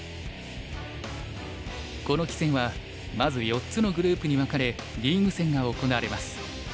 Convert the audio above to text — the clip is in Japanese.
この棋戦はまず４つのグループに分かれリーグ戦が行われます。